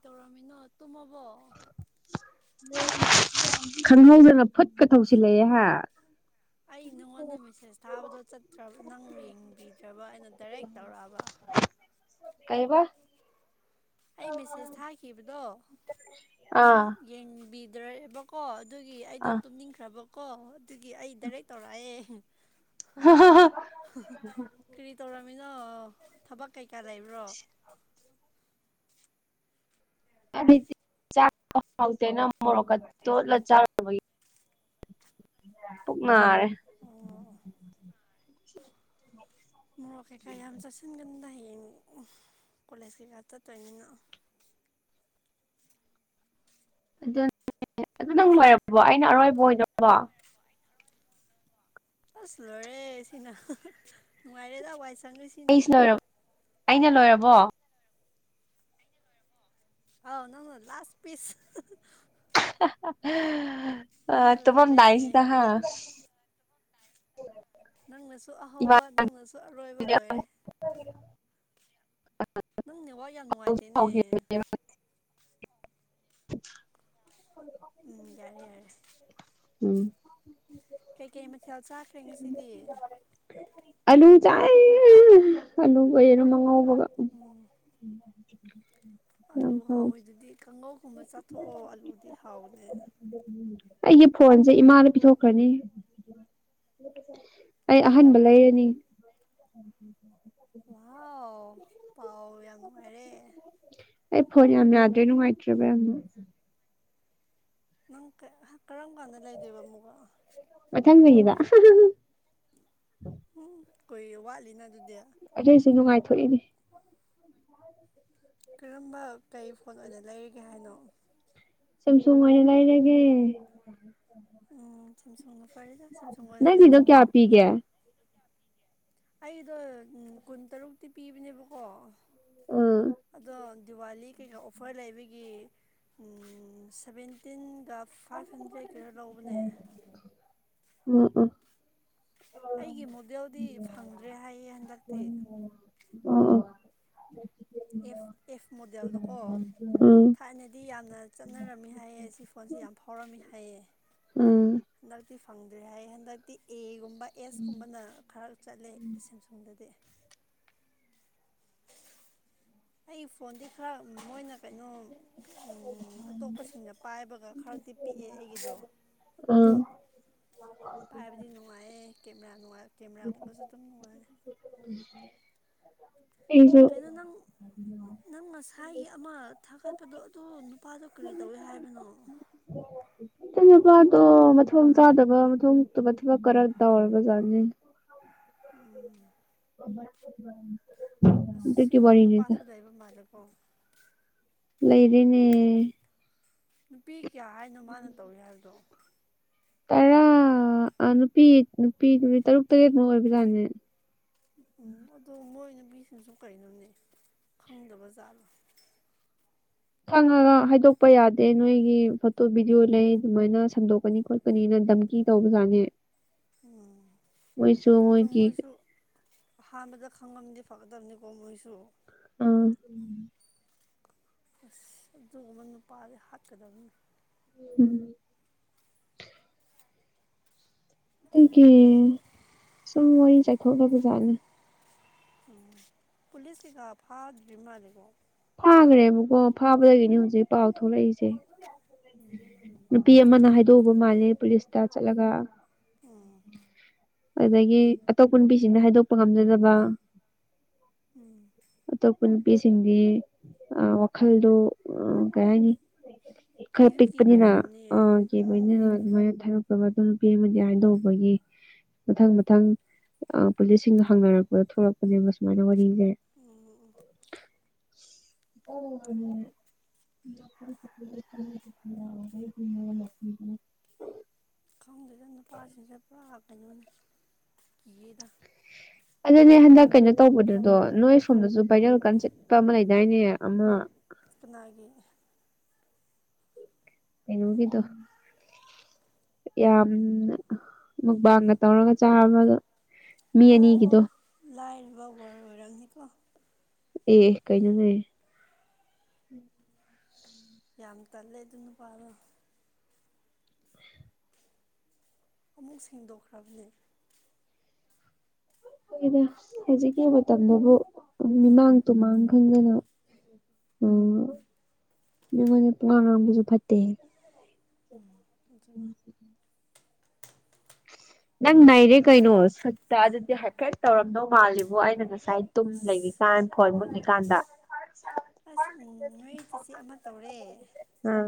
ꯇꯧꯔꯝꯃꯤꯅꯣ ꯇꯨꯝꯃꯕꯣ ꯈꯪꯍꯧꯗꯅ ꯐꯨꯠꯀ ꯊꯧꯁꯤꯜꯂꯛꯑꯦꯍꯥ ꯑꯩ ꯅꯪꯉꯣꯟꯗ ꯃꯦꯁꯦꯁ ꯊꯥꯕꯗꯣ ꯆꯠꯇ꯭ꯔ ꯅꯪ ꯌꯦꯡꯕꯤꯗ꯭ꯔꯕ ꯑꯩꯅ ꯗꯥꯏꯔꯦꯛ ꯇꯧꯔꯛꯑꯕ ꯀꯩꯕ ꯑꯩ ꯃꯦꯁꯦꯁ ꯊꯥꯈꯤꯕꯗꯣ ꯅꯪ ꯑꯥ ꯌꯦꯡꯕꯤꯗ꯭ꯔꯦꯕ ꯀꯣ ꯑꯗꯨꯒꯤ ꯑꯩꯗꯣ ꯑꯥ ꯇꯨꯝꯅꯤꯡꯈ꯭ꯔꯕꯀꯣ ꯑꯗꯨꯒꯤ ꯑꯩ ꯗꯥꯏꯔꯦꯛ ꯇꯧꯔꯛꯑꯦ ꯀꯔꯤ ꯇꯧꯔꯝꯃꯤꯅꯣ ꯊꯕꯛ ꯀꯩꯀꯥ ꯂꯩꯕ꯭ꯔꯣ ꯍꯥꯏꯗꯤ ꯆꯥꯛꯇꯣ ꯍꯥꯎꯇꯦꯅ ꯃꯣꯔꯣꯛꯀ ꯇꯣꯠꯂ ꯆꯥꯔꯕꯒꯤ ꯄꯨꯛ ꯅꯥꯔꯦ ꯑꯣ ꯃꯣꯔꯣꯛ ꯀꯩꯀꯥ ꯌꯥꯝ ꯆꯥꯁꯤꯟꯒꯟꯗ ꯍꯌꯦꯡ ꯀꯣꯂꯦꯖ ꯀꯩꯀꯥ ꯆꯠꯇꯣꯏꯅꯤꯅ ꯑꯗꯨ ꯑꯗꯨ ꯅꯪ ꯂꯣꯏꯔꯕꯣ ꯑꯩꯅ ꯑꯔꯣꯏꯕ ꯑꯣꯏꯗꯔꯕꯣ ꯑꯁ ꯂꯣꯏꯔꯦ ꯁꯤꯅ ꯅꯨꯡꯉꯥꯏꯔꯦꯗ ꯋꯥꯏ ꯆꯪꯉꯤ ꯑꯩꯁꯤ ꯂꯣꯏꯔꯕ ꯑꯩꯅ ꯂꯣꯏꯔꯕꯣ ꯑꯥꯎ ꯅꯪ ꯂꯥꯁ ꯄꯤꯁ ꯑ ꯅꯪꯅ ꯇꯨꯃꯝ ꯂꯣꯏꯔꯦ ꯗꯥꯏꯁꯤꯗ ꯍꯥ ꯎ ꯅꯪꯅꯁꯨ ꯑꯍꯥꯎꯧꯕ ꯅꯪꯅꯁꯨ ꯑꯔꯣꯏꯕ ꯑꯃ ꯂꯣꯏꯔꯦ ꯅꯪ ꯅꯦꯠꯋꯥꯛ ꯌꯥꯝ ꯅꯨꯡꯉꯥꯏꯇꯦꯅꯦ [inaudible] [inaudible] ꯎꯝ ꯌꯥꯔꯦ ꯌꯥꯔꯦ ꯎꯝ ꯀꯩ ꯀꯩ ꯃꯊꯦꯜ ꯆꯥꯈ꯭ꯔꯦ ꯉꯁꯤꯗꯤ ꯑꯥꯂꯨ ꯆꯥꯏꯌꯦ ꯑꯂꯨꯒ ꯌꯦꯔꯨꯝ ꯑꯉꯥꯎꯕꯒ ꯎ ꯑꯥꯂꯨ ꯍꯥꯎꯋꯦꯗꯨꯗꯤ ꯀꯥꯡꯒꯧꯒꯨꯝꯕ ꯆꯥꯊꯣꯛꯑꯣ ꯑꯥꯂꯨꯗꯤ ꯍꯥꯎꯕꯅꯦ ꯑꯩꯒꯤ ꯐꯣꯟꯁꯦ ꯏꯃꯥꯗ ꯄꯤꯊꯣꯛꯈ꯭ꯔꯅꯤ ꯑꯩ ꯀꯔꯤ ꯑꯍꯟꯕ ꯇꯧꯔꯦ ꯂꯩꯔꯅꯤ ꯋꯥꯎ ꯄꯥꯎ ꯌꯥꯝ ꯅꯨꯡꯉꯥꯏꯔꯦ ꯑꯩ ꯐꯣꯟ ꯌꯥꯝ ꯌꯥꯗ꯭ꯔꯦ ꯅꯨꯡꯉꯥꯏꯇ꯭ꯔꯦꯕ ꯌꯥꯝꯅ ꯅꯪ ꯀꯔꯝ ꯀꯥꯟꯗ ꯂꯩꯗꯨꯏꯕ ꯑꯃꯨꯛꯀ ꯃꯊꯪ ꯆꯍꯤꯗ ꯎꯝ ꯀꯣꯏꯅ ꯋꯥꯂꯤꯅ ꯑꯗꯨꯗꯤ ꯑꯗꯏꯁꯨ ꯅꯨꯡꯉꯥꯏꯊꯣꯛꯏꯅꯦ ꯀꯔꯝꯕ ꯀꯔꯤ ꯐꯣꯟ ꯑꯣꯏꯅ ꯂꯩꯔꯤꯒꯦ ꯍꯥꯏꯅꯣ ꯁꯝ ꯁꯨꯡꯑꯣꯅ ꯂꯩꯔꯒꯦ ꯎꯝ ꯁꯦꯝꯁꯣꯡꯅ ꯐꯔꯦꯗ ꯁꯤꯝꯁꯣꯡ ꯑꯣꯏꯅ ꯅꯪꯒꯤꯗꯣ ꯂꯩꯊꯣꯛꯑꯣ ꯀꯌꯥ ꯄꯤꯒꯦ ꯑꯩꯗꯣ ꯎꯝ ꯀꯨꯟꯇꯔꯨꯛꯇꯤ ꯄꯤꯕꯅꯦꯕꯀꯣ ꯑꯗꯣ ꯗꯤꯋꯥꯂꯤ ꯀꯩꯀ ꯑꯣꯐꯔ ꯂꯩꯕꯒꯤ ꯎꯝ ꯁꯕꯦꯟꯇꯤꯟꯒ ꯐꯥꯏꯚ ꯍꯟꯗ꯭ꯔꯦꯠꯀꯤꯔ ꯂꯧꯕꯅꯦ ꯎꯝ ꯎꯝ ꯑꯩꯒꯤ ꯃꯣꯗꯦꯜꯗꯤ ꯐꯪꯗ꯭ꯔꯦ ꯍꯥꯏꯌꯦ ꯍꯟꯗꯛꯇꯤ ꯑ ꯑꯦꯐ ꯑꯦꯐ ꯃꯣꯗꯦꯜꯗꯣꯀꯣ ꯎꯝ ꯊꯥꯏꯅꯗꯤ ꯌꯥꯝꯅ ꯆꯠꯅꯔꯝꯃꯤ ꯍꯥꯏꯌꯦ ꯑꯁꯤ ꯐꯣꯟꯁꯦ ꯌꯥꯝ ꯐꯥꯎꯔꯝꯃꯤ ꯍꯥꯏꯌꯦ ꯎꯝ ꯍꯟꯗꯛꯇꯤ ꯐꯪꯗ꯭ꯔꯦ ꯍꯥꯏ ꯍꯟꯗꯛꯇꯤ ꯑꯦꯒꯨꯝꯕ ꯑꯦꯁ ꯀꯨꯝꯕꯅ ꯈꯔ ꯆꯠꯂꯤ ꯁꯦꯝꯁꯨꯡꯗꯗꯤ ꯑꯩ ꯐꯣꯟꯗꯤ ꯈꯔ ꯃꯣꯏꯅ ꯀꯩꯅꯣ ꯎꯝ ꯑꯇꯣꯞꯄꯁꯤꯡꯅ ꯄꯥꯏꯕꯒ ꯈꯔꯗꯤ ꯄꯤꯛꯑꯦ ꯑꯩꯒꯤꯗꯣ ꯎꯝ ꯄꯥꯏꯕꯗꯤ ꯅꯨꯡꯉꯥꯏꯌꯦ ꯀꯦꯃꯦꯔꯥ ꯅꯨꯡꯉꯥꯏ ꯀꯦꯃꯦꯔꯥꯒꯨꯝꯕꯁꯨ ꯑꯗꯨꯝ ꯅꯨꯡꯉꯥꯏ ꯑꯩꯁꯨ ꯉ ꯅꯪ ꯅꯪ ꯉꯁꯥꯏꯒꯤ ꯑꯃ ꯊꯥꯒꯠꯄꯗꯣ ꯑꯗꯨ ꯅꯨꯄꯥꯗꯣ ꯀꯔꯤ ꯇꯧꯏ ꯍꯥꯏꯕꯅꯣ ꯑꯩ ꯅꯨꯄꯥꯗꯣ ꯃꯊꯣꯡ ꯆꯥꯗꯕ ꯃꯊꯣꯡꯇꯕ ꯊꯕꯛ ꯈꯔ ꯇꯧꯔꯕꯖꯥꯠꯅꯤ ꯎꯝ [inaudible] ꯑꯁ ꯑꯗꯨꯒꯤ ꯁꯤꯒꯨꯝꯕ ꯋꯥꯔꯤꯅꯤꯗ ꯅꯨꯄꯥꯁꯨ ꯂꯩꯕ ꯃꯥꯜꯂꯦꯀꯣ ꯂꯩꯔꯤꯅꯦ ꯅꯨꯄꯤ ꯀꯌꯥ ꯍꯥꯏꯅꯣ ꯃꯥꯅ ꯇꯧꯏ ꯍꯥꯏꯕꯗꯣ ꯇꯔꯥ ꯑ ꯅꯨꯄꯤ ꯅꯨꯄꯤ ꯅꯨꯄꯤ ꯇꯔꯨꯛ ꯇꯔꯦꯠꯃꯨꯛ ꯑꯣꯏꯕꯖꯥꯠꯅꯦ ꯎꯝ ꯑꯗꯣ ꯃꯣꯏ ꯅꯨꯄꯤꯁꯤꯛꯁꯨ ꯀꯩꯅꯣꯅꯦ ꯈꯪꯗꯕ ꯖꯥꯠꯂꯣ ꯈꯪꯉꯒ ꯍꯥꯏꯗꯣꯛꯄ ꯌꯥꯗꯦ ꯅꯣꯏꯒꯤ ꯐꯣꯇꯣ ꯚꯤꯗꯤꯑꯣ ꯂꯩ ꯑꯗꯨꯃꯥꯏꯅ ꯁꯟꯗꯣꯛꯀꯅꯤ ꯈꯣꯠ ꯄꯅꯤꯅ ꯗꯝꯀꯤ ꯇꯧꯕꯖꯥꯠꯅꯤ ꯎꯝ ꯑꯇꯣ ꯃꯣꯏꯒꯤ ꯃꯣꯏꯁꯨ ꯑꯍꯥꯟꯕꯗ ꯈꯪꯉꯝꯗꯤ ꯐꯒꯗꯕꯅꯤꯀꯣ ꯃꯣꯏꯁꯨ ꯑ ꯑꯁ ꯑꯗꯨꯒꯨꯝꯕ ꯅꯨꯄꯥꯗꯤ ꯍꯥꯠꯀꯗꯕꯅꯤ ꯎꯝ ꯑꯗꯨꯒꯤ ꯁꯨꯝ ꯋꯥꯔꯤ ꯆꯥꯏꯊꯣꯛꯅꯕ ꯖꯥꯠꯅꯤ ꯎꯝ ꯄꯨꯂꯤꯁ ꯀꯩꯀꯥ ꯐꯥꯗ꯭ꯔꯤ ꯝꯥꯜꯂꯦꯀꯣ ꯐꯥꯒ꯭ꯔꯦꯕꯀꯣ ꯐꯥꯕꯗꯒꯤꯅꯤ ꯍꯧꯖꯤꯛ ꯄꯥꯎ ꯊꯣꯛꯂꯛꯏꯁꯦ ꯎꯝ ꯅꯨꯄꯤ ꯑꯃꯅ ꯍꯥꯏꯗꯣꯛꯎꯕ ꯃꯥꯜꯂꯦ ꯄꯨꯂꯤꯁꯇ ꯆꯠꯂꯒ ꯎꯝ ꯑꯗꯒꯤ ꯑꯇꯣꯞꯄ ꯅꯨꯄꯤꯁꯤꯡꯅ ꯍꯥꯏꯗꯣꯛꯄ ꯉꯝꯖꯗꯕ ꯎꯝ ꯑꯇꯣꯞꯄ ꯅꯨꯄꯤꯁꯤꯡꯗꯤ ꯑ ꯋꯥꯈꯜꯗꯣ ꯀꯩ ꯍꯥꯏꯅꯤ ꯈꯔ ꯀꯤꯁꯨ ꯀꯤꯕꯩ ꯄꯤꯛꯄꯅꯤꯅ ꯑ ꯑꯣꯏꯔꯝꯅꯤꯌꯦ ꯀꯤꯕꯅꯤꯅ ꯎꯝ ꯑꯗꯨꯃꯥꯏꯅ ꯑꯗꯨ ꯅꯨꯄꯤ ꯑꯃꯗꯤ ꯍꯥꯏꯗꯣꯛꯎꯕꯒꯤ ꯃꯊꯪ ꯃꯊꯪ ꯑ ꯄꯨꯂꯤꯁꯁꯤꯡꯅ ꯍꯪꯅꯔꯛꯄꯗ ꯊꯣꯛꯂꯛꯄꯅꯦꯕ ꯁꯨꯃꯥꯏꯅ ꯋꯥꯔꯤꯁꯦ ꯎꯝ ꯎꯝ ꯑꯁ [unintelligible] [unintelligible] ꯈꯪꯗꯦꯗꯥ ꯅꯨꯄꯥꯁꯤꯡꯁꯦ ꯄꯨꯔꯥ ꯀꯩꯅꯣꯅꯦ ꯀꯤꯌꯦꯗꯥ ꯑꯗꯨꯅꯦ ꯍꯟꯗꯛ ꯀꯩꯅꯣ ꯇꯧꯕꯗꯨꯗꯣ ꯅꯣꯏ ꯁꯣꯝꯗꯁꯨ ꯚꯥꯏꯔꯦꯜ ꯀꯟ ꯆꯠꯄ ꯑꯃ ꯂꯩꯗꯥꯏꯅꯦ ꯑꯃ ꯀꯅꯥꯒꯤ ꯀꯩꯅꯣꯒꯤꯗꯣ ꯌꯥꯝ ꯃꯨꯛꯕꯥꯡꯒ ꯇꯧꯔꯒ ꯆꯥꯕꯗ ꯑꯣ ꯑꯣ ꯂꯥꯏꯔꯕ ꯋꯔꯜꯗ ꯑꯣꯏꯔꯝꯅꯤꯀꯣ ꯑꯦ ꯀꯩꯅꯣꯅꯦ ꯌꯥꯝ ꯇꯜꯂꯦ ꯑꯗꯨ ꯅꯨꯄꯥꯗꯣ ꯑꯃꯨꯛ ꯁꯦꯡꯗꯣꯛꯈ꯭ꯔꯕꯅꯦ ꯍꯣꯏꯗ ꯍꯧꯖꯤꯛꯀꯤ ꯃꯇꯝꯗꯕꯨ ꯃꯤꯃꯥꯡ ꯇꯨꯃꯥꯡ ꯈꯪꯗꯅ ꯑꯣ ꯃꯤꯉꯣꯟꯗ ꯄꯨꯡꯉꯥꯡ ꯉꯥꯡꯕꯁꯨ ꯐꯠꯇꯦꯍꯦ ꯑꯗꯨꯅꯦ [inaudible] ꯅꯪ ꯅꯩꯔꯦ ꯀꯩꯅꯣ ꯁꯨꯠꯇ ꯑꯗꯨꯗꯤ ꯍꯥꯏꯐꯦꯠ ꯇꯧꯔꯝꯗꯧ ꯃꯥꯜꯂꯤꯕꯣ ꯑꯩꯅ ꯉꯁꯥꯏ ꯇꯨꯝ ꯂꯩꯔꯤꯀꯥꯟ ꯐꯣꯟ ꯃꯨꯠꯂꯤꯀꯥꯟꯗ ꯑꯁ ꯅꯣꯏ ꯆꯤꯆꯦ ꯑꯃ ꯇꯧꯔꯦ ꯑꯥ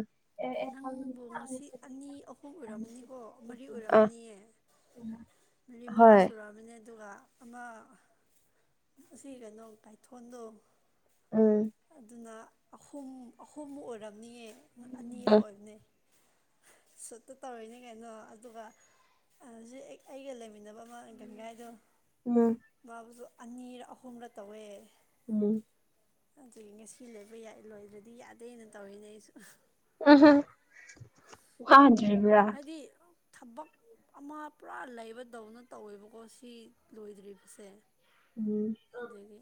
ꯅꯪꯕꯨ ꯉꯁꯤ ꯑꯅꯤ ꯑꯍꯨꯝ ꯑꯣꯏꯔꯝꯅꯤꯀꯣ ꯃꯔꯤ ꯑ ꯑꯣꯏꯔꯝꯃꯅꯤꯌꯦ [unintelligible] ꯃꯔꯤ ꯃꯨꯉꯥ ꯍꯣꯏ ꯁꯨꯔꯛꯑꯕꯅꯦ ꯑꯗꯨꯒ ꯑꯃ ꯑꯁꯤ ꯀꯩꯅꯣ ꯇꯥꯏꯊꯣꯟꯗꯣ ꯎꯝ ꯑꯗꯨꯅ ꯑꯍꯨꯝ ꯑꯍꯨꯝ ꯑꯣꯏꯔꯝꯅꯤꯌꯦ ꯑꯅꯤꯔꯥ ꯑꯣꯏꯕꯅꯦ ꯁꯨꯠꯇ ꯇꯧꯔꯤꯅꯦ ꯀꯩꯅꯣ ꯑꯗꯨꯒ ꯍꯧꯖꯤꯛ ꯑꯩꯒ ꯂꯩꯃꯤꯟꯅꯕ ꯑꯃ ꯒꯟꯒꯥꯏꯗꯣ ꯎꯝ ꯃꯥꯁꯨ ꯑꯅꯤꯔ ꯑꯍꯨꯝꯔ ꯇꯧꯋꯦ ꯎꯝ ꯑꯗꯨꯗꯒꯤ ꯉꯁꯤ ꯂꯩꯕꯏ ꯂꯣꯏꯔ꯭ꯔꯗꯤ ꯌꯥꯗꯦꯅ ꯇꯧꯔꯤꯅꯦ ꯑꯩꯁꯨ [unintelligible] ꯋꯥꯗꯕ꯭ꯔ ꯍꯥꯏꯗꯤ ꯊꯕꯛ ꯑꯃ ꯄꯨꯔꯥ ꯂꯩꯕꯗꯧꯅ ꯇꯧꯋꯦꯕꯀꯣ ꯁꯤ ꯂꯣꯏꯗ꯭ꯔꯤꯕꯁꯦ ꯎꯝ ꯑꯗꯒꯤ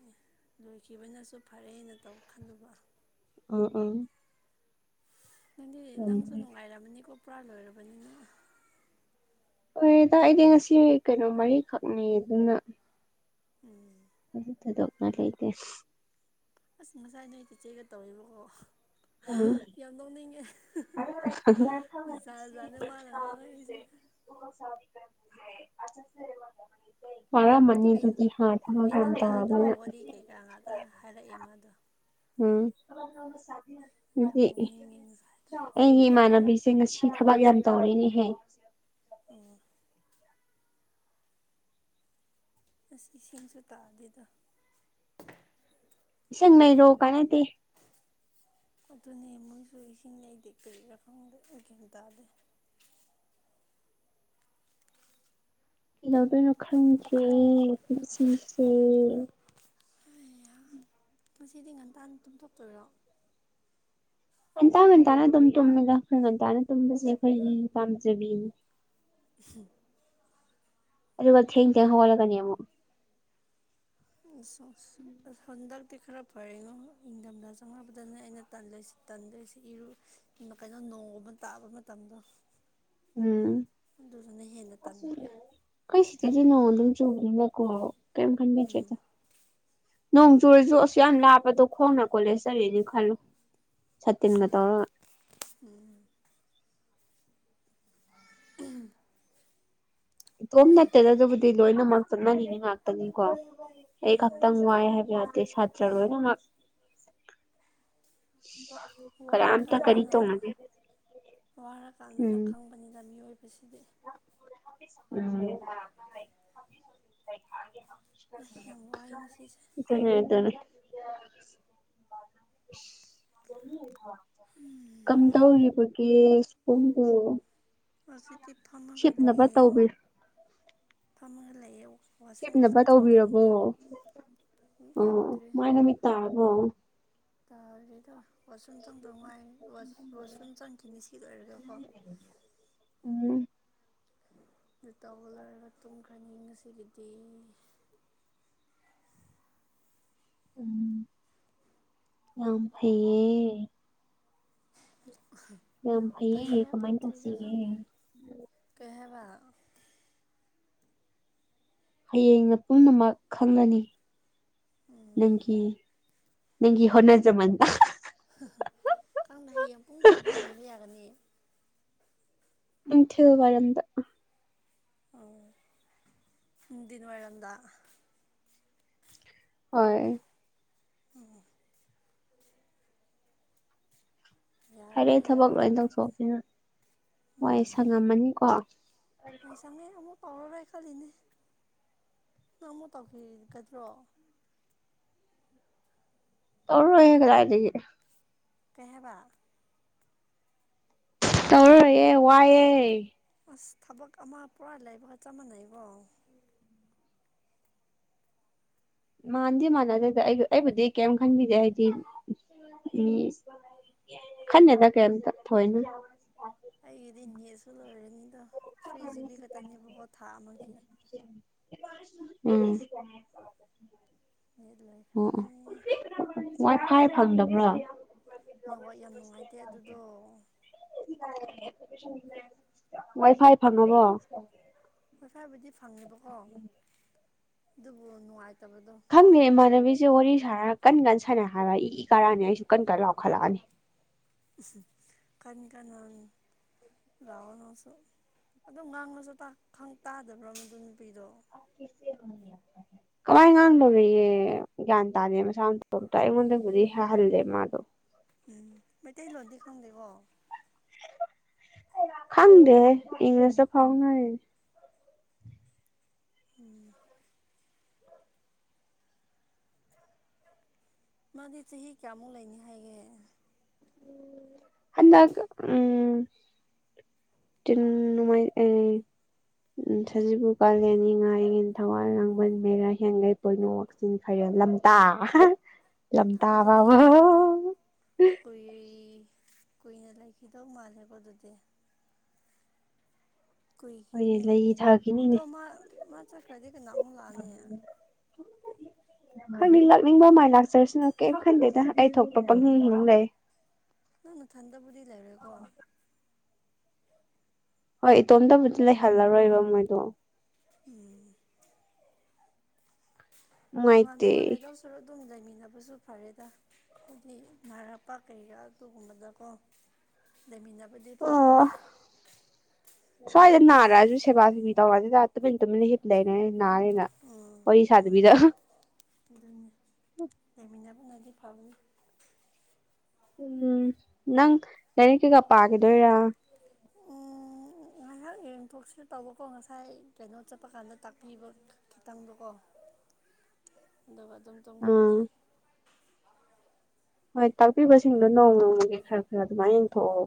ꯂꯣꯏꯈꯤꯕꯅꯁꯨ ꯐꯔꯦꯅ ꯇꯧ ꯈꯜꯂꯨꯕ ꯑꯨ ꯑꯨ ꯅꯪꯗꯤ ꯅꯪꯁꯨ ꯅꯨꯡꯉꯥꯏꯔꯕꯅꯤꯀꯣ ꯄꯨꯔꯥ ꯂꯣꯏꯔꯕꯅꯤꯅ ꯑꯣꯔꯦꯗ ꯑꯩꯗꯤ ꯉꯁꯤ ꯀꯩꯅꯣ ꯃꯔꯤꯈꯛꯅꯤ ꯑꯗꯨꯅ ꯎꯝ ꯀꯩꯁꯨ ꯊꯗꯣꯛꯅ ꯂꯩꯇꯦ ꯑꯁ ꯉꯁꯥꯏ ꯅꯣꯏ ꯆꯦꯛꯒ ꯇꯧꯔꯤꯕꯀꯣ [unintelligible] ꯌꯥꯝ ꯅꯣꯛꯅꯤꯡꯉꯦ ꯖꯥꯠ ꯖꯥꯠꯅꯦ ꯃꯥꯅ ꯉꯥꯡꯉꯛꯏꯁꯦ [unintelligible] [unintelligible] ꯑꯩ [unintelligible] ꯀꯌꯥ ꯉꯥꯛꯇ ꯍꯥꯏꯔꯛꯏꯦ ꯃꯥꯗꯣ ꯎꯝ [unintelligible] ꯌꯥꯝ ꯅꯣꯛꯅꯤꯡꯉꯦ ꯉꯁꯥꯏꯗꯣ ꯑꯩꯒꯤ ꯏꯃꯥꯟꯅꯕꯤꯁꯦ ꯉꯁꯤ ꯊꯕꯛ ꯌꯥꯝ ꯇꯧꯔꯤꯅꯦꯍꯦ ꯑꯣ ꯑꯁ ꯏꯁꯤꯡꯁꯨ ꯇꯥꯑꯗꯦꯗꯥ ꯁꯁꯤꯡꯅꯩ ꯔꯣ ꯀꯅꯦꯗꯤ ꯑꯗꯨꯅꯦ ꯃꯣꯏꯁꯨ ꯏꯁꯤꯡꯅꯤ ꯅꯧꯗꯦ ꯀꯔꯤꯔꯥ ꯈꯪꯗꯦ ꯒ꯭ꯌꯥꯟ ꯇꯥꯗꯦ ꯀꯩꯗꯧꯗꯣꯏꯅꯣ ꯈꯪꯗꯔꯤ [unintelligible] ꯉꯁꯤꯁꯦ ꯑꯩꯌꯥ ꯉꯁꯤꯗꯤ ꯉꯟꯇꯥꯥꯟ ꯇꯨꯝꯊꯣꯛꯇꯣꯏꯔꯣ ꯉꯟꯇꯥ ꯉꯟꯇꯥꯅ ꯑꯗꯨꯝ ꯇꯨꯝꯃꯤꯗ ꯑꯩꯈꯣꯏ ꯉꯟꯇꯥꯅ ꯇꯨꯝꯕꯁꯦ ꯑꯩꯈꯣꯏꯒꯤ ꯄꯥꯝꯖꯕꯤ [inaudible] ꯑꯗꯨꯒ ꯊꯦꯡ ꯊꯦꯡ ꯍꯧꯒꯠꯂꯛꯀꯅꯤ ꯑꯃꯨꯛ ꯑꯁ ꯑꯁ ꯍꯟꯗꯛꯇꯤ ꯈꯔ ꯐꯔꯉꯣ ꯏꯪꯊꯝꯊ ꯆꯪꯉꯛꯅꯕꯗꯅꯦ ꯑꯩꯅ ꯇꯜꯖꯣꯏꯁ ꯇꯟꯗꯣꯏꯁꯦ ꯏꯔꯨ ꯀꯩꯅꯣ ꯅꯣꯡ ꯑꯃ ꯇꯥꯕ ꯃꯇꯝꯗꯣ ꯎꯝ ꯑꯗꯨꯗꯨꯅ ꯍꯦꯟꯅ ꯇꯟꯈ꯭ꯔꯦ ꯑꯩꯈꯣꯏ ꯁꯤꯗꯗꯤ ꯅꯣꯡ ꯑꯗꯨ ꯆꯨꯕꯅꯤꯅꯀꯣ ꯀꯩꯝ ꯎꯝ ꯈꯪꯕꯤꯗꯔꯦꯗꯥ ꯅꯣꯡ ꯆꯨꯔꯁꯨ ꯑꯁꯨ ꯌꯥꯝ ꯂꯥꯞꯄꯗꯣ ꯈꯣꯡꯅ ꯀꯣꯂꯦꯖ ꯆꯠꯂꯛꯦꯅꯤ ꯈꯜꯂꯨ ꯁꯥꯇꯤꯟꯒ ꯇꯧꯔꯒ ꯎꯝ ꯎꯝ ꯏꯇꯣꯝ ꯅꯠꯇꯦꯗ ꯑꯗꯨꯕꯨꯗꯤ ꯂꯣꯏꯅꯃꯛ ꯆꯠꯅꯅꯤꯡꯉꯤ ꯉꯥꯛꯇꯅꯤꯀꯣ ꯑꯩ ꯈꯪꯇꯥꯡ ꯋꯥ ꯍꯥꯏꯕ ꯌꯥꯗ ꯁꯥꯠ ꯆꯠ ꯂꯣꯏꯅꯃꯥꯛ ꯋꯥꯔꯀꯥꯟꯗꯅ ꯋꯥꯔꯀꯥꯟꯗꯅ ꯎꯝ ꯈꯪꯕꯅꯤꯅ ꯃꯤꯑꯣꯏꯕꯁꯤꯗꯤ [unintelligible] ꯑꯩ ꯌꯥꯝ ꯋꯥꯏ ꯉꯁꯤꯁꯦ ꯑꯗꯨꯅꯦ ꯑꯗꯨꯅꯦ ꯑꯤꯁ ꯀꯝ ꯇꯧꯔꯤꯕꯒꯦ ꯁꫭꯝꯕꯨ ꯍꯧꯖꯤꯛꯇꯤ ꯐꯥꯔꯃꯒ ꯂꯩꯌꯦ ꯇꯧꯕꯤ ꯐꯥꯝꯃꯒꯜ ꯂꯩꯌꯦ ꯋꯥꯁꯔꯨꯝ ꯍꯦꯞꯅꯕ ꯀꯩꯀꯥ ꯇꯧꯕꯤꯔꯕꯣ ꯆꯪꯈꯤꯅꯤꯗ ꯀꯩꯝ ꯑꯣ ꯇꯧꯗ꯭ꯔꯤ ꯃꯥꯏ ꯅꯨꯃꯤꯠ ꯇꯥꯔꯕꯣ ꯇꯥꯗ꯭ꯔꯤꯗ ꯋꯥꯁ ꯔꯨꯝ ꯆꯪꯗꯧ ꯉꯥꯏ ꯋꯥꯁꯔꯨꯝ ꯆꯪꯈꯤꯅꯤ ꯁꯤꯗ ꯑꯣꯏꯔꯒꯀꯣ ꯎꯝ ꯑꯗꯨ ꯇꯥꯎꯒ ꯂꯣꯏꯔꯒ ꯇꯨꯝꯈ꯭ꯔꯅꯤ ꯉꯁꯤꯒꯤꯗꯤ ꯎꯝ ꯌꯥꯝ ꯐꯩꯌꯦ ꯌꯥꯝ ꯐꯌꯦ ꯐꯩꯔꯥ ꯀꯃꯥꯏꯧ ꯐꯠꯇ꯭ꯔꯤꯔꯥ ꯈꯪꯗꯦ ꯇꯧꯁꯤꯒꯦ ꯀꯩ ꯍꯥꯏꯕ ꯍꯌꯦꯡꯅ ꯄꯨꯝꯅꯃꯛ ꯈꯪꯉꯅꯤ ꯎꯝ ꯅꯪꯒꯤ ꯅꯪꯒꯤ ꯍꯣꯅꯖꯃꯟꯗ ꯀꯥꯡꯅ ꯍꯌꯦꯡ ꯄꯨꯡ ꯀꯌꯥꯗ ꯌꯦꯡꯕ ꯌꯥꯒꯅꯤ ꯅꯨꯡꯊꯜ ꯋꯥꯏꯔꯝꯗ ꯑꯩ ꯅꯨꯡꯊꯤꯜ ꯋꯥꯏꯔꯝꯗ ꯍꯣꯏ ꯐꯔꯦ ꯌꯥꯒꯗ꯭ꯔꯥ ꯊꯕꯛ ꯂꯣꯏ ꯌꯥꯔꯣꯏꯗ꯭ꯔꯥ ꯈꯪꯗꯦ ꯇꯧꯊꯣꯛꯑꯅꯤꯅ ꯋꯥꯏ ꯎꯝ ꯁꯪꯉꯝꯃꯅꯤꯀꯣ ꯃꯥꯏ ꯆꯝꯅꯦ ꯑꯃꯨꯛ ꯄꯥꯎꯔꯔ ꯈꯜꯂꯤꯅꯦ ꯅꯪ ꯑꯃꯃꯨꯛ ꯇꯧꯈꯤꯒꯗ꯭ꯔꯣ ꯇꯧꯔꯣꯏꯌꯦ ꯀꯥꯗꯥꯏꯗꯒꯤ ꯀꯩ ꯍꯥꯏꯕ ꯇꯧꯔꯥꯔꫭꯏꯌꯦ ꯋꯥꯏꯋꯦ ꯑꯁ ꯊꯕꯛ ꯑꯃ ꯄꯨꯔꯥ ꯂꯩꯕꯒ ꯆꯞ ꯃꯥꯟꯅꯩꯀꫭ ꯃꯥꯟꯗꯤ ꯃꯥꯟꯅꯗꯦꯗ ꯑꯩ ꯑꯩꯕꯨꯗꯤ ꯀꯩꯝ ꯈꯟꯕꯤꯗꯦ ꯍꯥꯏꯗꯤ ꯈꯟꯅꯦ ꯀꯩꯌꯝꯇꯥ ꯊꯧꯑꫭꯏꯅ ꯑꯩꯒꯤꯗꯤ ꯅꯦꯠꯁꯨ ꯂꯣꯏꯔꯅꯤꯗꯣ ꯊ꯭ꯔꯤ ꯖꯤꯕꯤ ꯈꯛꯇꯅꯦꯕꯀꯣ ꯊꯥ ꯑꯃꯒꯤ ꯎꯝ ꯅꯦꯠ ꯂꯩ ꯑꯣ ꯋꯥꯏ ꯐꯥꯏ ꯐꯪꯗꯕ꯭ꯔꯣ ꯅꯦꯠꯋꯥꯛ ꯌꯥꯝ ꯅꯨꯡꯉꯥꯏꯇꯦ ꯑꯗꯨꯗꯣ ꯋꯥꯏ ꯐꯥꯏ ꯐꯪꯉꯕꯣ ꯋꯥꯏ ꯐꯥꯕꯨꯗꯤ ꯐꯪꯉꯦꯕꯀꯣ ꯑꯗꯨꯕꯨ ꯅꯨꯡꯉꯥꯏꯇꯕꯗꯣ ꯈꯪꯗꯦ ꯏꯃꯥꯟꯅꯕꯤꯁꯦ ꯋꯥꯔꯤ ꯁꯥꯔꯒ ꯀꯟ ꯀꯟ ꯁꯥꯟꯅꯩ ꯍꯥꯏꯕ ꯏ ꯀꯥꯔꯅꯤ ꯑꯩꯁꯨ ꯀꯟ ꯀ ꯂꯥꯎꯈꯠꯂꯛꯑꯅꯤ ꯀꯟ ꯀꯟꯅ ꯂꯥꯛꯑꯣ ꯅꯪꯁꯨ ꯑꯗꯨꯝ ꯉꯥꯡꯅꯁꯨ ꯈꯪ ꯇꯥꯗꯕ꯭ꯔꯣ ꯃꯗꯨ ꯅꯨꯄꯤꯗꯣ [inaudible] ꯀꯃꯥꯏ ꯉꯥꯡꯗꯧꯔꯤꯒꯦ ꯒ꯭ꯌꯥꯟ ꯇꯥꯗꯦ ꯃꯁꯥ ꯃꯇꫭꯝꯇꯥ ꯑꯩꯉꯣꯟꯗꯕꯨꯗꯤ ꯍꯥꯍꯜꯂꯦ ꯃꯥꯗꯣ ꯎꯝ ꯃꯩꯇꯩꯂꯣꯟꯗꯤ ꯈꯪꯗꯦꯀꯣ ꯈꯥꯡꯗꯦ ꯏꯪꯂꯤꯁꯇ ꯐꯥꯎꯅꯩ ꯎꯝ ꯃꯥꯗꯤ ꯆꯍꯤ ꯀꯌꯥꯃꯨꯛ ꯂꯩꯅꯤ ꯍꯥꯏꯒꯦ ꯑꯗꯛ ꯎꯝ [unintelligible] ꯎꯝ ꯁꯖꯤꯕꯨ ꯀꯥꯂꯦꯟ ꯏꯉꯥ ꯏꯉꯦꯟ ꯊꯥꯋꯜ ꯂꯥꯡꯕꯟ ꯃꯦꯔꯥ ꯍꯤꯌꯡꯒꯩ ꯄꯣꯏꯅꯨ ꯋꯥꯛꯆꯤꯡ ꯐꯥꯏꯔꯦꯟ ꯂꯝꯇꯥ ꯂꯝꯇꯥ ꯊꯛꯑꯅꯨꯅꯦ ꯐꯥꯎꯕ ꯑꯣ ꯑꯣ ꯀꯨꯏ ꯀꯨꯏꯅ ꯂꯩꯈꯤꯗꯧ ꯃꯥꯜꯂꯦꯀꯣ ꯑꯗꯨꯗꯤ ꯍꯣꯏꯅꯦ ꯀꯨꯏꯈꯤꯅꯤꯅꯦ ꯂꯩ ꯑꯗꯨꯗꯤ ꯊꯥꯈꯤꯅꯤꯅꯦ ꯑꯗꯣ ꯃꯥ ꯃꯥ ꯆꯠꯈ꯭ꯔꯗꯤ ꯀꯅ ꯑꯃꯨꯛ ꯂꯥꯛꯑꯅꯤ ꯈꯪꯗꯦ ꯂꯥꯛꯅꯤꯡꯕ ꯃꯥꯏ ꯂꯥꯛꯆꯔꯁꯅꯨ ꯀꯩꯝ ꯈꯟꯗꯦꯗ ꯑꯩ ꯊꯣꯛꯄ ꯎꯝ ꯄꯪꯍꯤꯡ ꯍꯤꯡ ꯂꯩ ꯅꯪ ꯅꯊꯟꯗꯕꯨꯗꯤ ꯂꯩꯔꯦꯀꯣ ꯍꯣꯏ ꯏꯇꯣꯝꯇꯕꯨꯗꯤ ꯂꯩꯍꯜꯂꯔꯣꯏꯕ ꯃꯣꯏꯗꯣ ꯎꯝ ꯇꯣꯉꯥꯟ ꯅꯨꯡꯉꯥꯏꯇꯦ ꯇꯣꯉꯥꯟ ꯂꯩꯗꯧ ꯁꯔꯨꯛ ꯑꯗꯨꯝ ꯂꯩꯃꯤꯟꯅꯕꯖꯨ ꯐꯔꯦꯗ ꯍꯥꯏꯗꯤ ꯅꯔꯛꯄ ꯀꯩꯒ ꯑꯗꯨꯒꯨꯝꯕꯗꯀꯣ ꯂꯩꯃꯤꯟꯅꯕꯗꯤ ꯑꯣ ꯐꯕꯅꯦ ꯁ꯭ꯋꯥꯏꯗ ꯅꯥꯔꯑꯖꯨ ꯁꯦꯕꯥ ꯁꯦꯕꯤ ꯇꯧꯔꯖꯤꯗ ꯇꯨꯃꯤꯟ ꯇꯨꯃꯤꯟꯅ ꯍꯤꯞ ꯂꯩꯔꯦ ꯅꯥꯔꯦꯅ ꯎꯝ ꯍꯨꯝ ꯑꯗꯨꯒꯤꯗ [unintelligible] ꯑꯗꯨꯅꯤ ꯂꯩꯃꯤꯟꯅꯕꯅꯗꯤ ꯐꯕꯅꯤ ꯎꯝ ꯅꯪ ꯂꯏꯔꯤꯛ ꯀꯩꯀꯥ ꯄꯒꯤꯗꯣꯏꯔ ꯎꯝ ꯉꯥꯏꯍꯥꯛ ꯌꯦꯡꯊꯣꯛꯁꯤꯔ ꯇꯧꯕꯀꯣ ꯉꯁꯥꯏ ꯀꯩꯅꯣ ꯆꯠꯄ ꯀꯥꯟꯗ ꯇꯥꯛꯄꯤꯕ ꯈꯤꯇꯪꯗꯣꯀꯣ ꯑꯗꯨꯒ ꯑꯗꯨꯝ ꯑꯥ ꯇꯨꯝꯈ꯭ꯔꯅꯤ ꯍꯣꯏ ꯇꯥꯛꯄꯤꯕꯁꯤꯡꯗꯣ ꯅꯣꯡ ꯅꯣꯡꯃꯒꯤ ꯈꯔ ꯈꯔ ꯑꯗꯨꯃꯥꯏ ꯌꯦꯡꯊꯣꯛꯑꯣ